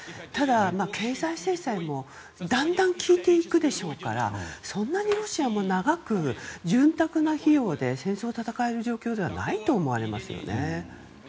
ただ、経済制裁もだんだん効いていくでしょうからそんなにロシアも長く潤沢な費用で戦争を戦える状況ではないと思われますよね。